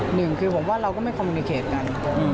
หนึ่งคือผมว่าเราก็ไม่คอมมิวนิเขตกัน